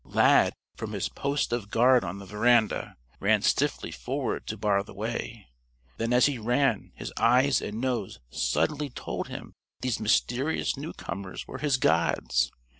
Lad, from his post of guard on the veranda, ran stiffly forward to bar the way. Then as he ran his eyes and nose suddenly told him these mysterious newcomers were his gods.